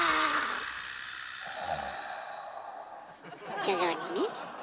徐々にね。